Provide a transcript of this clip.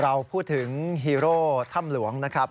เราพูดถึงฮีโร่ถ้ำหลวงนะครับ